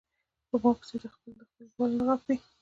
پۀ ما پسې د خپل خپل وال نه غاپي